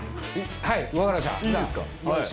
はい分かりました。